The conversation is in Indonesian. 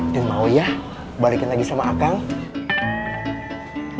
mau ya balikin lagi sama akang